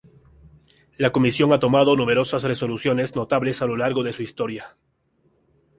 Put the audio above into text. La Comisión ha tomado numerosas resoluciones notables a lo largo de su historia.